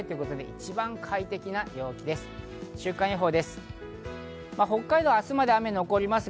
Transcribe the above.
一番快適な陽気です。